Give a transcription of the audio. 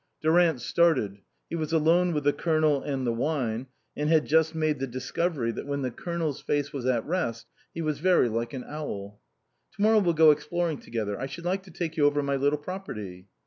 Durant started ; he was alone with the Col onel and the wine, and had just made the dis covery that when the Colonel's face was at rest he was very like an owl. " To morrow we'll go exploring together. I should like to take you over my little property."